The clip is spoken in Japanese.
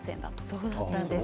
そうだったんですね。